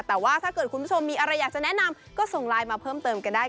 แต่ว่าถ้าเกิดคุณผู้ชมมีอะไรอยากจะแนะนำก็ส่งไลน์มาเพิ่มเติมกันได้